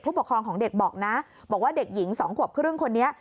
ปกครองของเด็กบอกนะบอกว่าเด็กหญิง๒ขวบครึ่งคนนี้